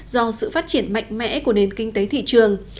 do sự phát triển mạnh mẽ của nền kinh tế thị trường